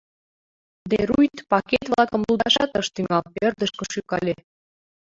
Де Рюйт пакет-влакым лудашат ыш тӱҥал, ӧрдыжкӧ шӱкале.